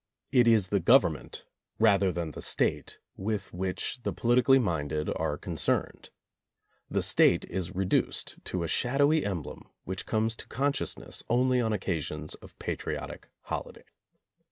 It is the Government rather than the State with which the politically minded are concerned. The State is reduced to a shadowy emblem which comes to consciousness only on occasions of patriotic holiday.